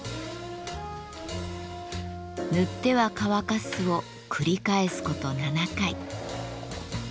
塗っては乾かすを繰り返すこと７回。